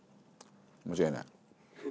間違いない。